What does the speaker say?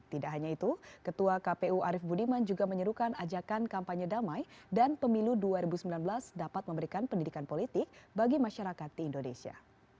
tidak hanya itu ketua kpu arief budiman juga menyerukan ajakan kampanye damai dan pemilu dua ribu sembilan belas dapat memberikan pendidikan politik bagi masyarakat di indonesia